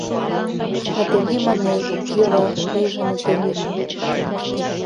Натали манеш, йӧра, лийже Натали.